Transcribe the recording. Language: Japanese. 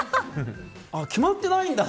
決まってないんだ？